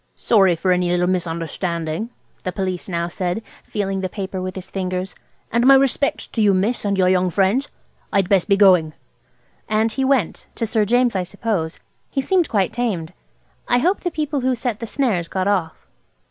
"Sorry for any little misunderstanding," the Police now said, feeling the paper with his fingers; "and my respects to you, miss, and your young friends. I'd best be going." And he went–to Sir James, I suppose. He seemed quite tamed. I hope the people who set the snares got off.